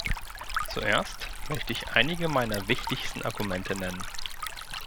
Zuerst möchte ich einige meiner wichtigsten Argumente nennen.